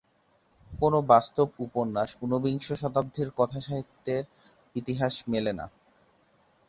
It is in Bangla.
কোনও বাস্তব উপন্যাস উনবিংশ শতাব্দীর কথাসাহিত্যের ইতিহাসে মেলে না।